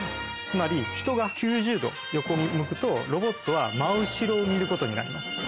つまり人が９０度横に向くとロボットは真後ろを見ることになります。